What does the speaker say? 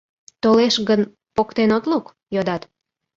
Толеш гын, поктен от лук?» — йодат.